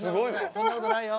そんなことないよ。